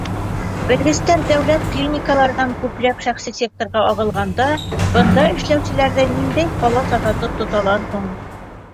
Белгестәр дәүләт клиникаларынан күпләп шәхси секторға ағылғанда, бында эшләүселәрҙе ниндәй ҡалас ашатып тоталар һуң?